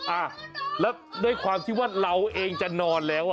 อ่ะแล้วด้วยความที่ว่าเราเองจะนอนแล้วอ่ะ